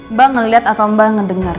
mbak ngeliat atau mbak ngedengar